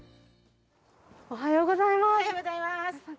おはようございます。